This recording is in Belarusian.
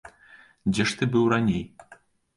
Дзе ж ты быў раней?